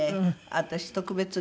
私特別ね